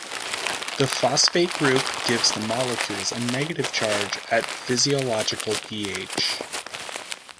The phosphate group gives the molecules a negative charge at physiological pH.